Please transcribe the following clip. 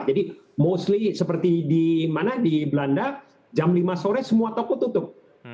jadi seperti di belanda jam lima sore semua toko tutup